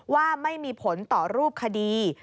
ว่าไม่มีผลต่อรูปคดี